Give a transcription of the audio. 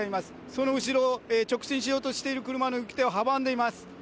その後ろ、直進しようとしている車の行く手を阻んでいます。